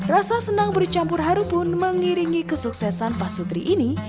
rasa senang bercampur harupun mengiringi kesuksesan pasutri ini